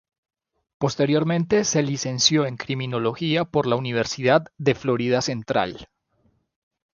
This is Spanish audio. Posteriormente se licenció en criminología por la Universidad de Florida Central.